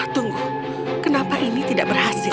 tunggu kenapa ini tidak berhasil